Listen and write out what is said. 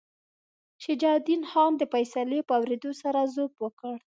شجاع الدین خان د فیصلې په اورېدو سره ضعف وکړ.